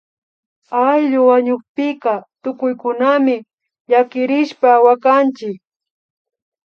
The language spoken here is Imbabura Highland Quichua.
Ayllu wañukpika tukuykunami llakirishpa wakanchik